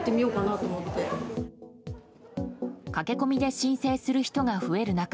駆け込みで申請する人が増える中